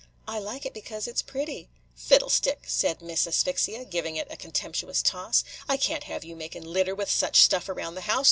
"I like it because it 's pretty." "Fiddlestick!" said Miss Asphyxia, giving it a contemptuous toss. "I can't have you making litter with such stuff round the house.